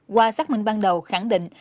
qua xác minh ban đầu khẳng định